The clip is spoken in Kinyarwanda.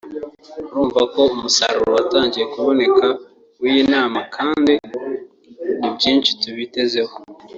urumva ko umusaruro watangiye kuboneka w’iyi nama kandi n’ibyinshi tubitezeho